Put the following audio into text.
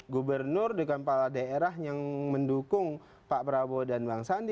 gubernur dengan kepala daerah yang mendukung pak prabowo dan bang sandi